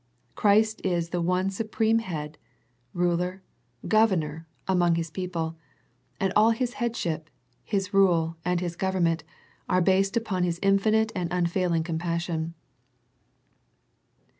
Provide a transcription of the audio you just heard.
Christ is the one supreme Head, Ruler, Governor, among His 2 2 A First Century Message people, and all His headship, and His rule, and His government are based upon His in finite and unfailing compassion.